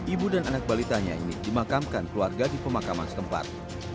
ibu dan anak balitanya ini dimakamkan keluarga di pemakaman setempat